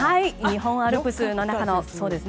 日本アルプスの中の。